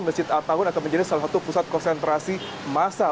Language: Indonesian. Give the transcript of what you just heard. masjid artahun akan menjadi salah satu pusat konsentrasi masa